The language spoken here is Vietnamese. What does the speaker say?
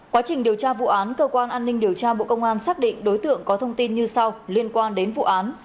quá trình điều tra vụ án cơ quan an ninh điều tra bộ công an xác định đối tượng có thông tin như sau liên quan đến vụ án